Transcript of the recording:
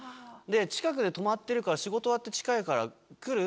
「近くに泊まってるから仕事終わって近いから来る？」なんて言って。